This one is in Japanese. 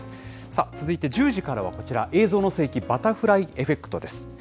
さあ、続いて１０時からはこちら、映像の世紀バタフライエフェクトです。